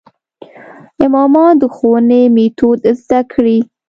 امامان د ښوونې میتود زده کړي.